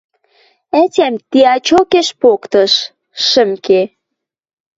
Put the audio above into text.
Ӓтям тиӓчокеш поктыш — шӹм ке.